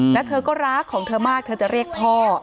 แล้วเธอก็รักของเธอมากเธอจะเรียกพ่อ